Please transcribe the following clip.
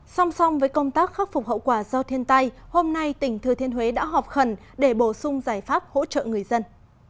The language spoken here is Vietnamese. song song với công tác khắc phục hậu quả do thiên tai hôm nay tỉnh thừa thiên huế đã họp khẩn để bổ sung giải pháp hỗ trợ người dân